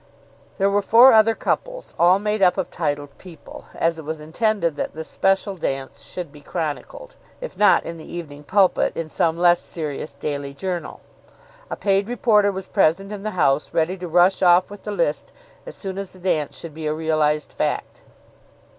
There were four other couples, all made up of titled people, as it was intended that this special dance should be chronicled, if not in the "Evening Pulpit," in some less serious daily journal. A paid reporter was present in the house ready to rush off with the list as soon as the dance should be a realized fact.